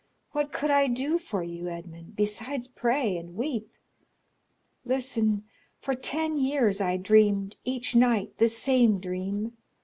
What could I do for you, Edmond, besides pray and weep? Listen; for ten years I dreamed each night the same dream.